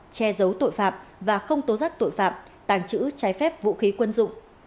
che giấu tội phạm và không tố rắt tội phạm tàng trữ trái phép vũ khí quân dụng